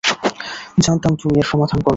জানতাম তুমি এর সমাধান করবে।